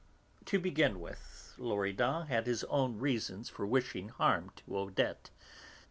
To begin with, Loredan had his own reasons for wishing harm to Odette.